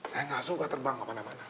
saya nggak suka terbang kemana mana